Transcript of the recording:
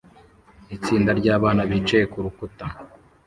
Itsinda ryabana bicaye kurukuta